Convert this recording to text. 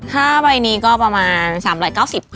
ค่าใบนี้ก็ประมาณ๓๙๐บาท